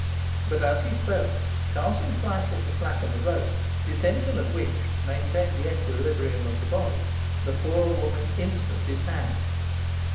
But as he spoke, chancing slightly to slacken the rope, the tension of which maintained the equilibrium of the body, the poor woman instantly sank.